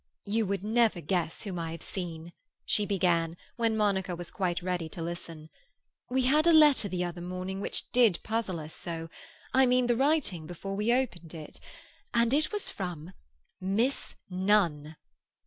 "You would never guess whom I have seen," she began, when Monica was quite ready to listen. "We had a letter the other morning which did puzzle us so—I mean the writing before we opened it. And it was from—Miss Nunn!"